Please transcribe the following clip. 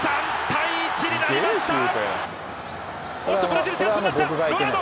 ４対１になりました。